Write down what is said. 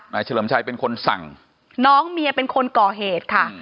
เฉลิมชัยเป็นคนสั่งน้องเมียเป็นคนก่อเหตุค่ะ